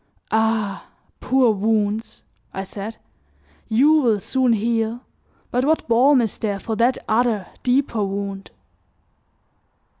"Ah! poor wounds!" I said, "you will soon heal, but what balm is there for that other deeper wound?"